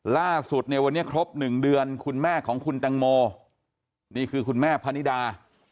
ล่าสุดเนี่ยวันนี้ครบ๑เดือนคุณแม่ของคุณแตงโมนี่คือคุณแม่พนิดา